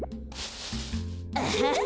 アハハ。